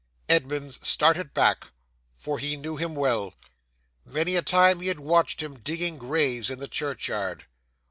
Edmunds started back, for he knew him well; many a time he had watched him digging graves in the churchyard.